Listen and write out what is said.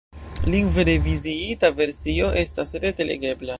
Lingve reviziita versio estas rete legebla.